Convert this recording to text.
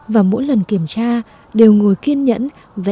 và mỗi lần kiểm tra đều ngồi kiên nhẫn vẽ lại đáp án